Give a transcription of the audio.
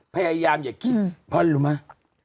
พยายามอย่าคิดเพราะรู้ไหม